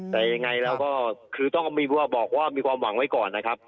แต่ยังไงแล้วก็คือต้องบอกว่ามีความหวังไว้ก่อนนะครับ